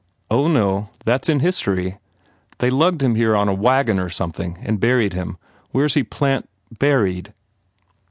u Oh, no. That s in history. They lugged him here on a wagon or something and buried him. Where s he plant buried?"